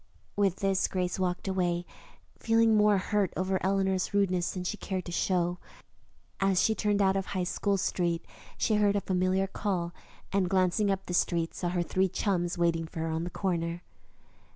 With this, Grace walked away, feeling more hurt over Eleanor's rudeness than she cared to show. As she turned out of High School Street she heard a familiar call, and, glancing up the street, saw her three chums waiting for her on the corner.